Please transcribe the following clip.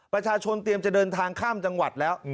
ประชาชนเตรียมจะเดินทางข้ามจังหวัดแล้ว